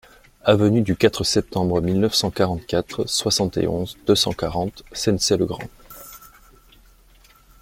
Avenue du quatre Septembre mille neuf cent quarante-quatre, soixante et onze, deux cent quarante Sennecey-le-Grand